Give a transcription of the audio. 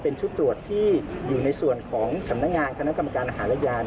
เป็นชุดตรวจที่อยู่ในส่วนของสำนักงานคณะกรรมการอาหารและยาน